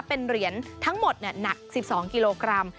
เป็นเหรียญทั้งหมดหนัก๑๒กิโลกรัม